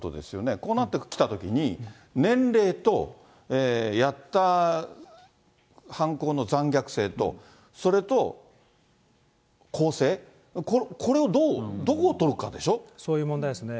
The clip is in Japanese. こうなってきたときに、年齢とやった犯行の残虐性と、それと更生、これをどう、そういう問題ですね。